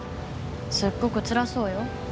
すっごくつらそうよ。